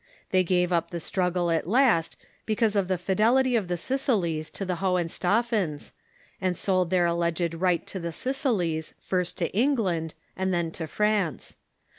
They gave up the struggle at last, be cause of the fidelity of the Sicilies to the Hohenstaufens, and sold their alleged right to the Sicilies first to England and then to France.